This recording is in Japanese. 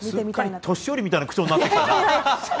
年寄りみたいな口調になってきたな。